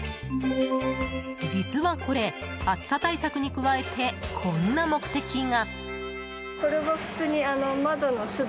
実はこれ、暑さ対策に加えてこんな目的が。